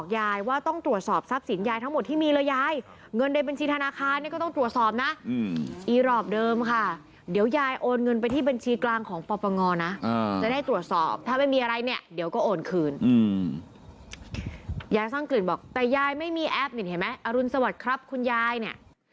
ยายสร้างกลิ่นบอกแต่ยายไม่มีแอปนี่เห็นไหมอรุณสวัสดิ์ครับคุณยายเนี่ย